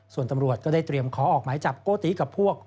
ส่วนตำรวจก็ได้เตรียมขอออกหมายจับโกติกับพวก